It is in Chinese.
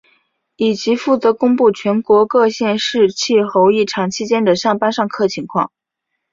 以及负责公布全国各县市气候异常期间的上班上课情况。